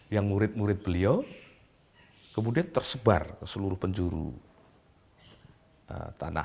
yang murid murid beliau kemudian tersebar ke seluruh penjuru tanah